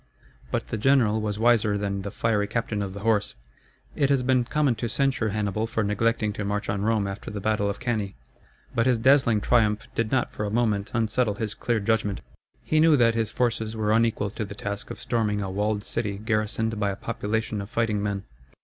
But the general was wiser than the fiery captain of the horse. It has been common to censure Hannibal for neglecting to march on Rome after the battle of Cannæ. But his dazzling triumph did not for a moment unsettle his clear judgment. He knew that his forces were unequal to the task of storming a walled city garrisoned by a population of fighting men.